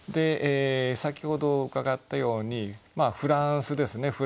先ほど伺ったようにフランスですね